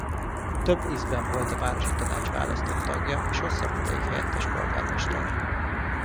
Több ízben volt a városi tanács választott tagja és hosszabb ideig helyettes polgármester.